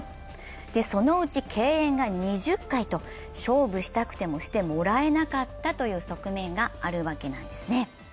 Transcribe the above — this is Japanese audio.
そのうち敬遠が２０回、勝負したくてもしてもらえなかったという側面があるわけなんですね。